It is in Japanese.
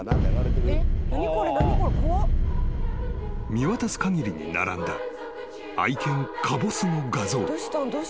［見渡す限りに並んだ愛犬かぼすの画像］